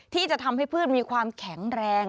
ที่จะทำให้พืชมีความแข็งแรง